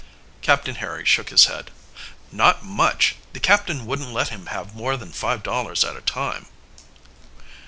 Captain Harry shook his head. "Not much! The captain wouldn't let him have more than five dollars at a time.